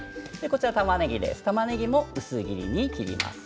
たまねぎは薄切りに切ります。